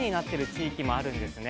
地域もあるんですね。